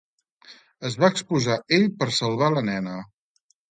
Es va exposar ell per salvar la nena.